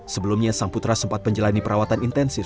sebelumnya sang putra sempat menjalani perawatan intensif